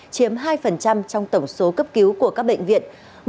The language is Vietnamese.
chiếm hai trong tổng số cấp cứu của các bệnh viện